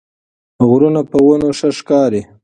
غرونه په ونو ښه ښکاري